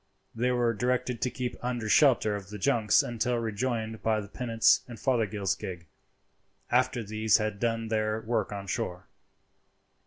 They were directed to keep under shelter of the junks until rejoined by the pinnace and Fothergill's gig, after these had done their work on shore.